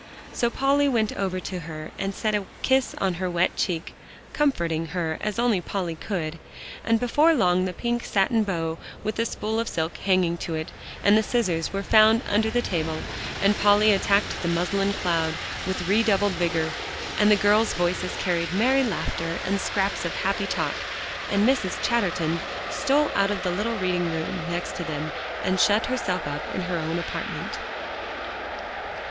So Polly went over to her and set a kiss on her wet cheek, comforting her as only Polly could, and before long the pink satin bow, with the spool of silk hanging to it, and the scissors were found under the table, and Polly attacked the muslin cloud with redoubled vigor, and the girls' voices carried merry laughter and scraps of happy talk, and Mrs. Chatterton stole out of the little reading room next to them and shut herself up in her own apartment.